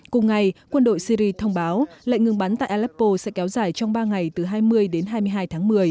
cùng ngày quân đội syri thông báo lệnh ngừng bắn tại aleppo sẽ kéo dài trong ba ngày từ hai mươi đến hai mươi hai tháng một mươi